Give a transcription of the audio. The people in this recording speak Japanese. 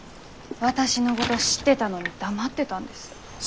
私のごど知ってたのに黙ってたんです。